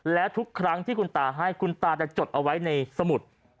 และทุกครั้งที่คุณตาให้คุณตาจะจดเอาไว้ในสมุด